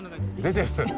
出てます。